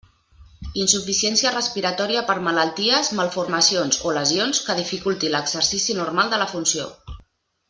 Insuficiència respiratòria per malalties, malformacions o lesions, que dificulti l'exercici normal de la funció.